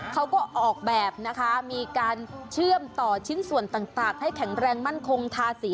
เขาก็ออกแบบนะคะมีการเชื่อมต่อชิ้นส่วนต่างให้แข็งแรงมั่นคงทาสี